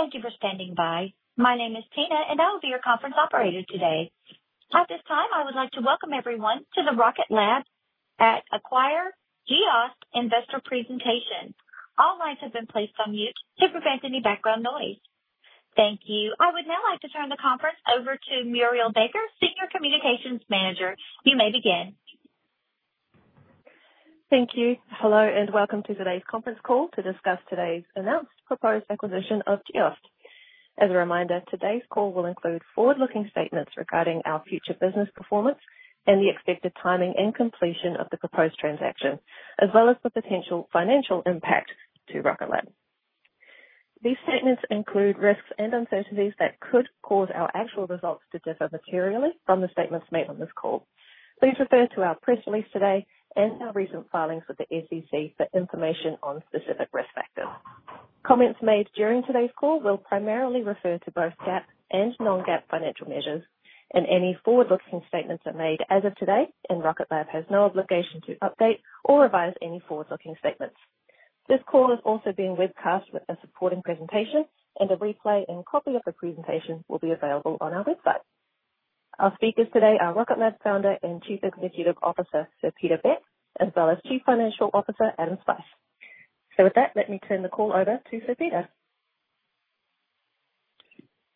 Thank you for standing by. My name is Tina, and I will be your conference operator today. At this time, I would like to welcome everyone to the Rocket Lab Acquire Geost Investor Presentation. All lines have been placed on mute to prevent any background noise. Thank you. I would now like to turn the conference over to Murielle Baker, Senior Communications Manager. You may begin. Thank you. Hello, and welcome to today's conference call to discuss today's announced proposed acquisition of Geost. As a reminder, today's call will include forward-looking statements regarding our future business performance and the expected timing and completion of the proposed transaction, as well as the potential financial impact to Rocket Lab. These statements include risks and uncertainties that could cause our actual results to differ materially from the statements made on this call. Please refer to our press release today and our recent filings with the SEC for information on specific risk factors. Comments made during today's call will primarily refer to both GAAP and non-GAAP financial measures, and any forward-looking statements are made as of today, and Rocket Lab has no obligation to update or revise any forward-looking statements. This call is also being webcast with a supporting presentation, and a replay and copy of the presentation will be available on our website. Our speakers today are Rocket Lab Founder and Chief Executive Officer, Sir Peter Beck, as well as Chief Financial Officer, Adam Spice. With that, let me turn the call over to Sir Peter.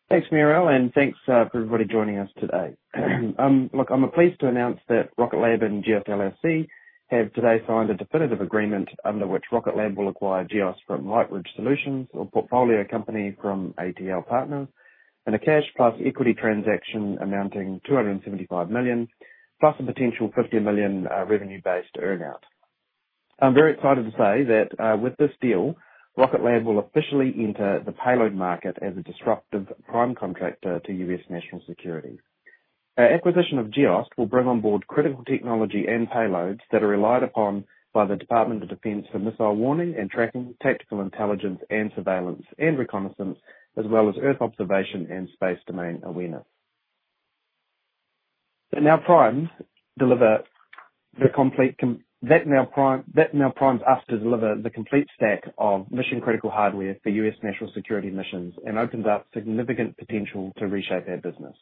Thanks, Murielle, and thanks for everybody joining us today. Look, I'm pleased to announce that Rocket Lab and Geost LLC have today signed a definitive agreement under which Rocket Lab will acquire Geost from LightRidge Solutions, a portfolio company from ATL Partners, in a cash plus equity transaction amounting to $275 million, plus a potential $50 million revenue-based earnout. I'm very excited to say that with this deal, Rocket Lab will officially enter the payload market as a disruptive prime contractor to U.S. national security. Acquisition of Geost will bring on board critical technology and payloads that are relied upon by the Department of Defense for missile warning and tracking, tactical intelligence and surveillance, and reconnaissance, as well as Earth observation and space domain awareness. That now primes us to deliver the complete stack of mission-critical hardware for U.S. national security missions and opens up significant potential to reshape our business.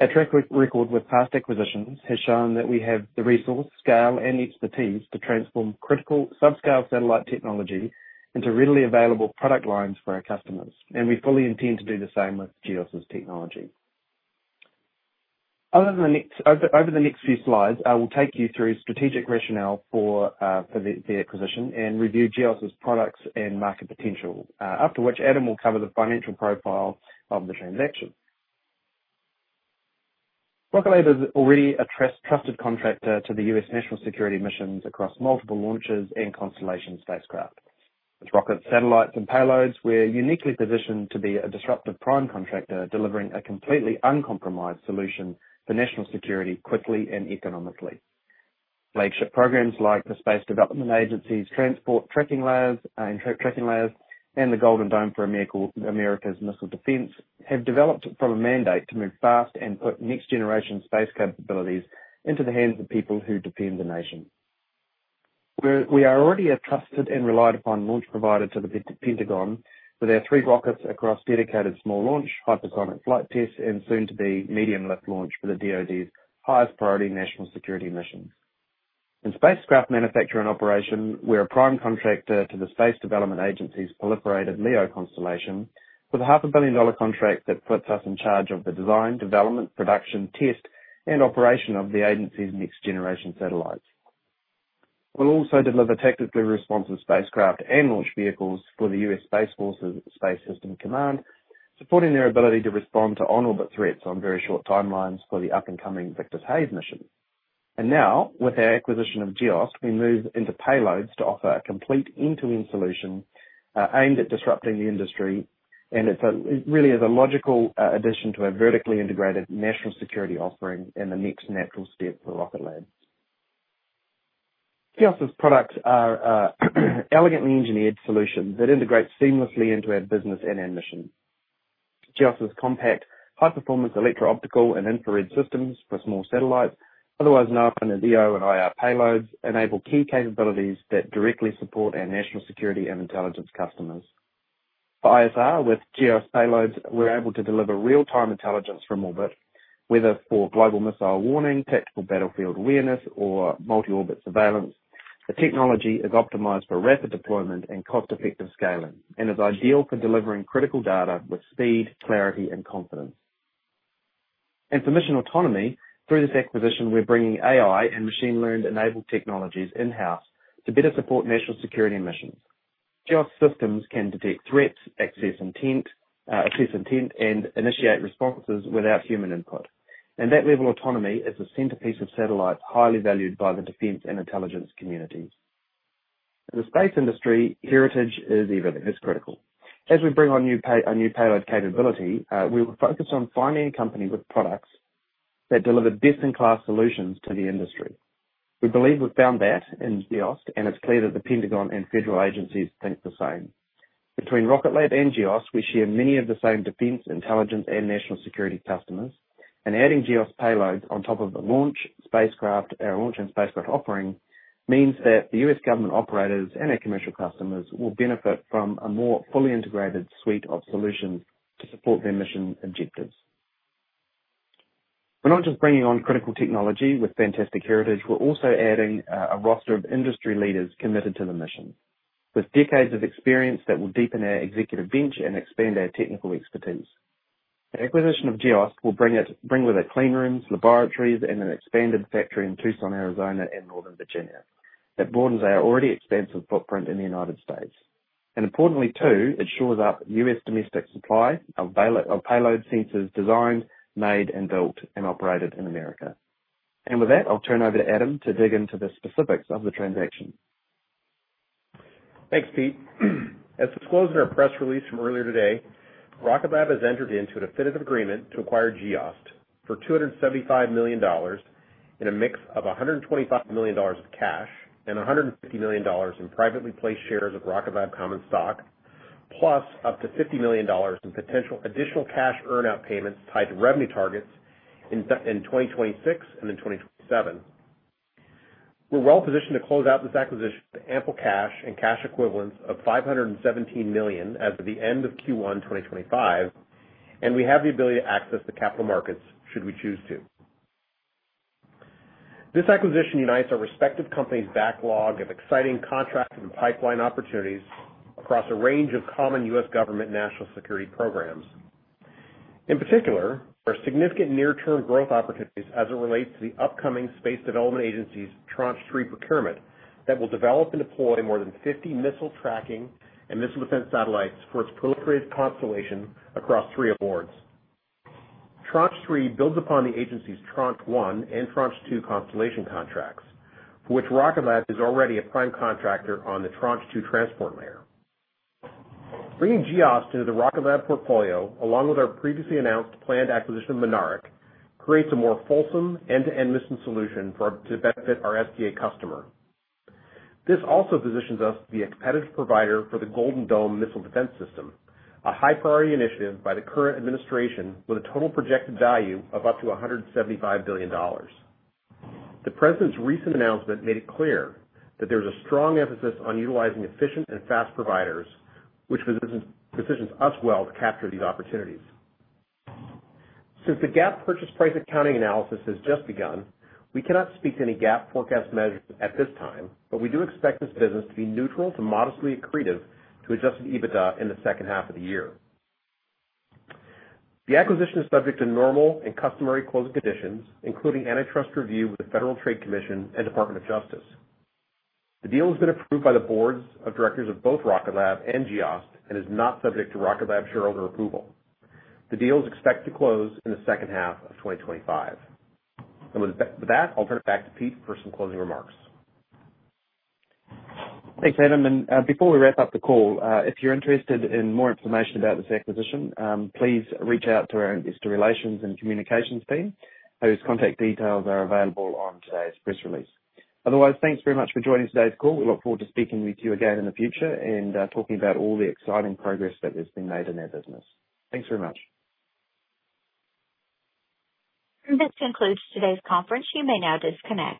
Our track record with past acquisitions has shown that we have the resource, scale, and expertise to transform critical subscale satellite technology into readily available product lines for our customers, and we fully intend to do the same with Geost's technology. Over the next few slides, I will take you through strategic rationale for the acquisition and review Geost's products and market potential, after which Adam will cover the financial profile of the transaction. Rocket Lab is already a trusted contractor to the U.S. national security missions across multiple launches and constellation spacecraft. With rockets, satellites, and payloads, we're uniquely positioned to be a disruptive prime contractor delivering a completely uncompromised solution for national security quickly and economically. Flagship programs like the Space Development Agency's transport tracking labs and the Golden Dome for America's missile defense have developed from a mandate to move fast and put next-generation space capabilities into the hands of people who defend the nation. We are already a trusted and relied-upon launch provider to the Pentagon with our three rockets across dedicated small launch, hypersonic flight tests, and soon-to-be medium lift launch for the DoD's highest priority national security missions. In spacecraft manufacture and operation, we're a prime contractor to the Space Development Agency's proliferated LEO constellation with a $500 million contract that puts us in charge of the design, development, production, test, and operation of the agency's next-generation satellites. We'll also deliver tactically responsive spacecraft and launch vehicles for the U.S. Space Force's Space Systems Command, supporting their ability to respond to on-orbit threats on very short timelines for the up-and-coming Victus Haze mission. With our acquisition of Geost, we move into payloads to offer a complete end-to-end solution aimed at disrupting the industry, and it really is a logical addition to our vertically integrated national security offering and the next natural step for Rocket Lab. Geost's products are elegantly engineered solutions that integrate seamlessly into our business and our mission. Geost's compact, high-performance electro-optical and infrared systems for small satellites, otherwise known as EO/IR payloads, enable key capabilities that directly support our national security and intelligence customers. For ISR, with Geost payloads, we're able to deliver real-time intelligence from orbit, whether for global missile warning, tactical battlefield awareness, or multi-orbit surveillance. The technology is optimized for rapid deployment and cost-effective scaling, and is ideal for delivering critical data with speed, clarity, and confidence. For mission autonomy, through this acquisition, we're bringing AI and machine-learned-enabled technologies in-house to better support national security missions. Geost systems can detect threats, assess intent, and initiate responses without human input. That level of autonomy is the centerpiece of satellites, highly valued by the defense and intelligence communities. In the space industry, heritage is everything. It's critical. As we bring on new payload capability, we will focus on finding a company with products that deliver best-in-class solutions to the industry. We believe we've found that in Geost, and it's clear that the Pentagon and federal agencies think the same. Between Rocket Lab and Geost, we share many of the same defense, intelligence, and national security customers, and adding Geost payloads on top of the launch and spacecraft offering means that the U.S. government operators and our commercial customers will benefit from a more fully integrated suite of solutions to support their mission objectives. We're not just bringing on critical technology with fantastic heritage. We're also adding a roster of industry leaders committed to the mission, with decades of experience that will deepen our executive bench and expand our technical expertise. The acquisition of Geost will bring with it clean rooms, laboratories, and an expanded factory in Tucson, Arizona, and Northern Virginia that broadens our already expansive footprint in the United States. Importantly, too, it shores up U.S. domestic supply of payload sensors designed, made, built, and operated in America. With that, I'll turn over to Adam to dig into the specifics of the transaction. Thanks, Pete. As disclosed in our press release from earlier today, Rocket Lab has entered into a definitive agreement to acquire Geost for $275 million in a mix of $125 million in cash and $150 million in privately placed shares of Rocket Lab Common Stock, plus up to $50 million in potential additional cash earnout payments tied to revenue targets in 2026 and in 2027. We're well positioned to close out this acquisition with ample cash and cash equivalents of $517 million as of the end of Q1 2025, and we have the ability to access the capital markets should we choose to. This acquisition unites our respective companies' backlog of exciting contract and pipeline opportunities across a range of common U.S. government national security programs. In particular, there are significant near-term growth opportunities as it relates to the upcoming Space Development Agency's Tranche 3 procurement that will develop and deploy more than 50 missile tracking and missile defense satellites for its proliferated constellation across three awards. Tranche 3 builds upon the agency's Tranche 1 and Tranche 2 constellation contracts, for which Rocket Lab is already a prime contractor on the Tranche 2 transport layer. Bringing Geost into the Rocket Lab portfolio, along with our previously announced planned acquisition of Mynaric, creates a more fulsome end-to-end mission solution to benefit our SDA customer. This also positions us to be a competitive provider for the Golden Dome missile defense system, a high-priority initiative by the current administration with a total projected value of up to $175 billion. The president's recent announcement made it clear that there is a strong emphasis on utilizing efficient and fast providers, which positions us well to capture these opportunities. Since the GAAP purchase price accounting analysis has just begun, we cannot speak to any GAAP forecast measures at this time, but we do expect this business to be neutral to modestly accretive to Adjusted EBITDA in the second half of the year. The acquisition is subject to normal and customary closing conditions, including antitrust review with the Federal Trade Commission and Department of Justice. The deal has been approved by the boards of directors of both Rocket Lab and Geost and is not subject to Rocket Lab's shareholder approval. The deal is expected to close in the second half of 2025. With that, I'll turn it back to Pete for some closing remarks. Thanks, Adam. Before we wrap up the call, if you're interested in more information about this acquisition, please reach out to our investor relations and communications team, whose contact details are available on today's press release. Otherwise, thanks very much for joining today's call. We look forward to speaking with you again in the future and talking about all the exciting progress that has been made in our business. Thanks very much. This concludes today's conference. You may now disconnect.